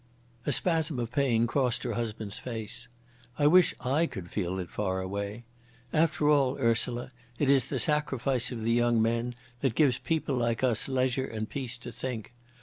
A spasm of pain crossed her husband's face. "I wish I could feel it far away. After all, Ursula, it is the sacrifice of the young that gives people like us leisure and peace to think.